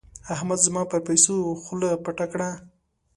احمد زما پر پيسو خوله پټه کړه.